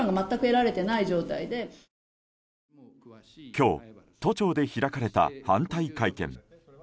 今日、都庁で開かれた反対会見。